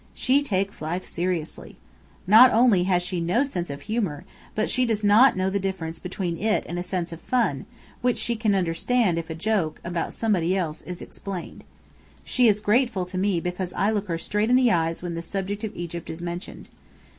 She takes life seriously. Not only has she no sense of humour, but she does not know the difference between it and a sense of fun, which she can understand if a joke (about somebody else) is explained. She is grateful to me because I look her straight in the eyes when the subject of Egypt is mentioned.